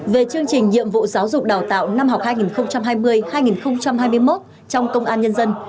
về chương trình nhiệm vụ giáo dục đào tạo năm học hai nghìn hai mươi hai nghìn hai mươi một trong công an nhân dân